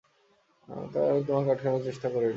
তাই আমি তোমাকে আটকানোর চেষ্টা করিনি।